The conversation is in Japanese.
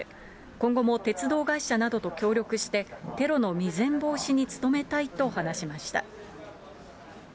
今後も鉄道会社などと協力して、テロの未然防止に努めたいと話しました。